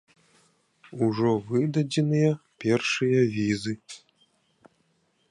Ужо выдадзеныя першыя візы.